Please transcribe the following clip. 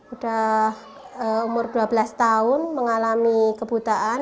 udah umur dua belas tahun mengalami kebutaan